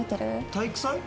体育祭？